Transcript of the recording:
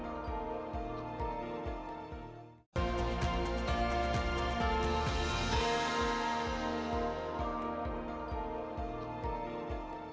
jika mereka perguntuk éle kebetulan tahunan mereka perlu juga bertunggung